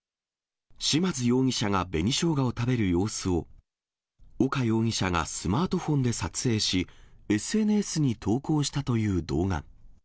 嶋津容疑者が紅ショウガを食べる様子を、岡容疑者がスマートフォンで撮影し、ＳＮＳに投稿したという動画。